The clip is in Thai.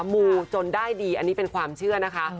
มูจนได้ดีอันนี้เป็นความเชื่อนะคะ